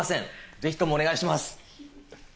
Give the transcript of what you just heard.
ぜひともお願いします。